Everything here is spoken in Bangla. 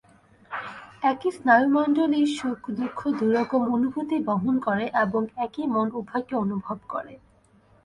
একই স্নায়ুমণ্ডলী সুখদুঃখ দু-রকম অনুভূতিই বহন করে এবং একই মন উভয়কে অনুভব করে।